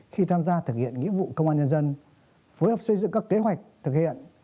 khi tham gia thực hiện nghĩa vụ công an nhân dân phối hợp xây dựng các kế hoạch thực hiện